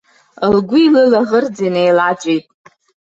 Лгәи лылаӷырӡи неилаҵәеит.